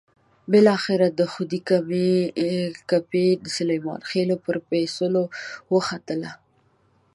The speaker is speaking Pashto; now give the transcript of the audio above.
بالاخره د خدۍ کپۍ د سلیمان خېلو پر پېڅول وختله.